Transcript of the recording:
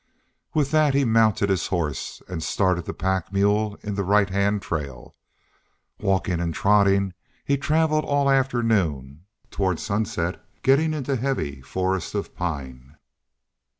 With that he mounted his horse and started the pack mule into the right hand trail. Walking and trotting, he traveled all afternoon, toward sunset getting into heavy forest of pine.